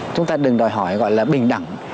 chúng ta đừng đòi hỏi gọi là bình đẳng